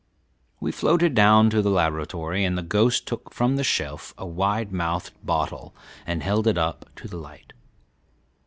We floated down to the laboratory, and the ghost took from the shelf a wide mouthed bottle and held it up to the light.